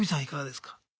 いかがですか？